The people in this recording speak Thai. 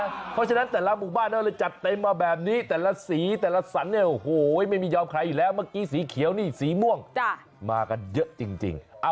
เพราะฉะนั้นแต่ละหมู่บ้านเขาเลยจัดเต็มมาแบบนี้แต่ละสีแต่ละสันเนี่ยโอ้โหไม่มียอมใครอยู่แล้วเมื่อกี้สีเขียวนี่สีม่วงมากันเยอะจริง